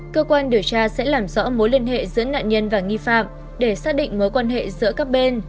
cơ quan điều tra sẽ làm rõ mối liên hệ giữa nạn nhân và nghi phạm để xác định mối quan hệ giữa các bên